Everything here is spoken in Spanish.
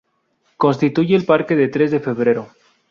Constituye el Parque Tres de Febrero.